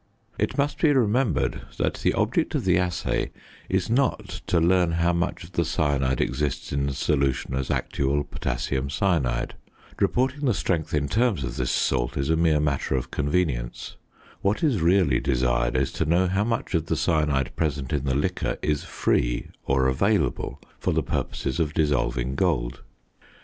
It must be remembered that the object of the assay is not to learn how much of the cyanide exists in the solution as actual potassium cyanide; reporting the strength in terms of this salt is a mere matter of convenience; what is really desired is to know how much of the cyanide present in the liquor is "free" or "available" for the purposes of dissolving gold.